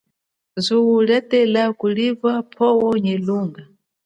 Zuwo lia tela kuliva pwowo nyi lunga.